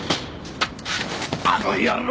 あの野郎！